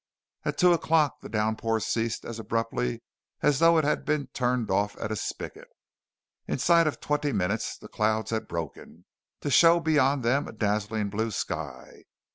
At two o'clock the downpour ceased as abruptly as though it had been turned off at a spigot. Inside of twenty minutes the clouds had broken, to show beyond them a dazzling blue sky.